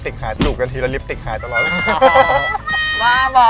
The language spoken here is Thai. ยิ่งซีส่องยิ่งนับไม่ช่วงพร้อม